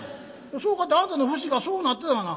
「そうかてあんたの節がそうなってたがな」。